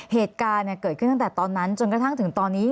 เหตุการณ์เกิดขึ้นตั้งแต่ตอนนั้นจนกระทั่งถึงตอนนี้